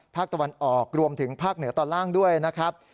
ภาคตะวันออกรวมถึงภาคเหนือตอนล่างด้วยนะครับ